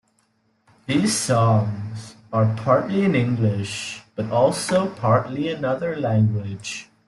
These songs are partly in English, but also partly another language.